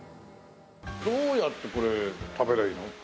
どうやってこれ食べりゃいいの？